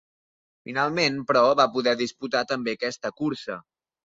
Finalment però, va poder disputar també aquesta cursa.